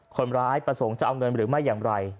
คนร้ายประสงค์จะเอาเงินหรือไม่อย่างไร